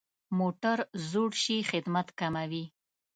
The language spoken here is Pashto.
موټر زوړ شي، خدمت کموي.